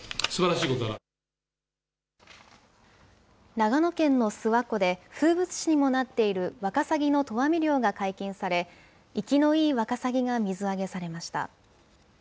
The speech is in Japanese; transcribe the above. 長野県の諏訪湖で、風物詩にもなっているワカサギの投網漁が解禁され、生きのいいワカサギが水揚げされました。